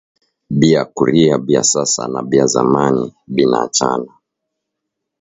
Bya kuria bya sasa na bya nzamani bina achana